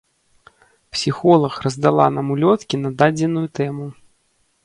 Псіхолаг раздала нам улёткі на дадзеную тэму.